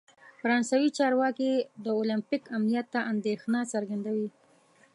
فرانسوي چارواکي د اولمپیک امنیت ته اندیښنه څرګندوي.